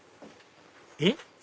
えっ？